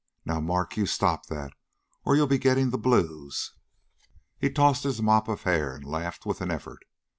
"Now, Mark, you stop that, or you'll be getting the blues." He tossed his mop of hair and laughed with an effort.